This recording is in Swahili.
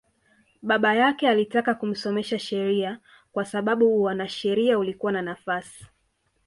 Baba yake alitaka kumsomesha sheria kwa sababu uanasheria ulikuwa na nafasi